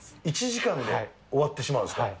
１時間で終わってしまうんですか？